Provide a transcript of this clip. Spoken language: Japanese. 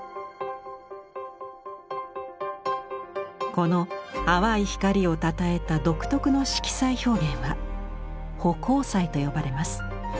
この淡い光をたたえた独特の色彩表現は「葆光彩」と呼ばれます。